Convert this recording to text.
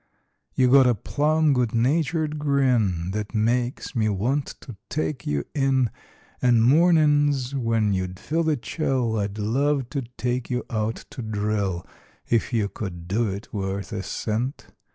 You got a plum good natured grin That makes me want to take you in And mornin's when you'd feel the chill I'd love to take you out to drill If you could do it worth a cent!